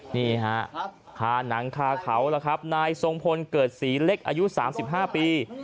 นี่ฮะคาหนังคาเขานายสงพลเกิดสีเล็กอายุ๓๕ปี